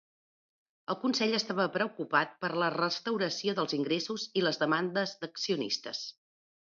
El consell estava preocupat per la restauració dels ingressos i les demandes d'accionistes.